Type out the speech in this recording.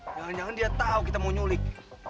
jangan jangan dia tahu kita mau nyulik